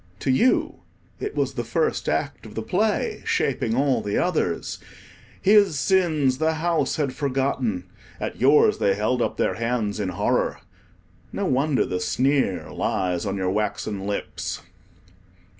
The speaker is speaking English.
To you, it was the First Act of the Play, shaping all the others. His sins the house had forgotten: at yours, they held up their hands in horror. No wonder the sneer lies on your waxen lips.